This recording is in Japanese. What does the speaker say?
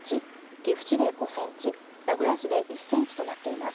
岐阜市で５センチ名古屋市で１センチとなっています。